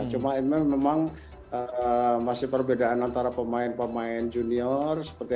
cuma memang masih perbedaan antara pemain pemain junior